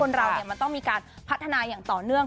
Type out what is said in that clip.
คนเราเนี่ยมันต้องมีการพัฒนาต่อเนื่อง